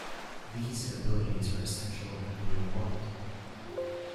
These abilities are essential in the real world.